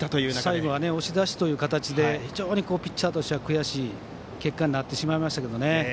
最後は押し出しという形で非常にピッチャーとしては悔しい結果になってしまいましたけどね。